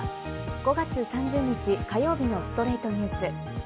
５月３０日、火曜日の『ストレイトニュース』。